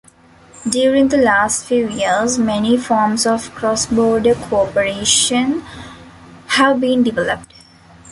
During the last few years, many forms of cross-border co-operation have been developed.